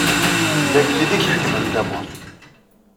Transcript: D agellid i iḥekmen tamurt.